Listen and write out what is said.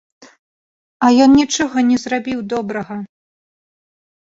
А ён нічога не зрабіў добрага.